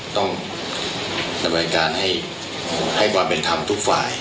ต้องดำเนินการให้ความเป็นธรรมทุกฝ่าย